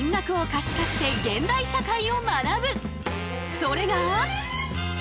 それが。